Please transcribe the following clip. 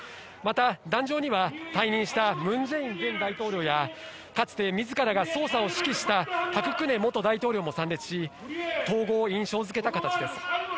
また壇上には退任したムン・ジェイン前大統領やかつてみずからが捜査を指揮したパク・クネ元大統領も参列し、統合を印象づけた形です。